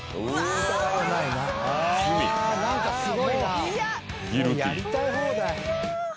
やりたい放題。